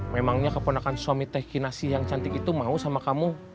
memangnya keponakan suami teh kinasi yang cantik itu mau sama kamu